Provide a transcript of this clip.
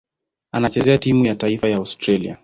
Anachezea timu ya taifa ya Australia.